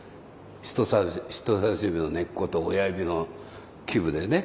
人さし指の根っこと親指のでね。